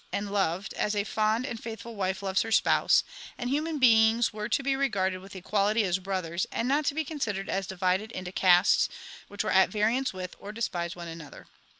INTRODUCTION Ixiii loved as a fond and faithful wife loves her spouse, and human beings were to be regarded with equality as brothers, and not to be considered as divided into castes which were at variance with or despised one another.